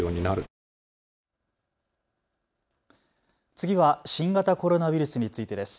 次は新型コロナウイルスについてです。